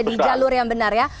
di jalur yang benar ya